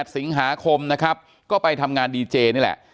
สิงหาคมนะครับก็ไปทำงานดีเจนี่แหละ